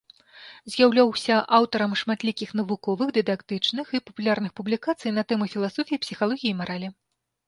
З'яўляўся аўтарам шматлікіх навуковых, дыдактычных і папулярных публікацый на тэмы філасофіі, псіхалогіі і маралі.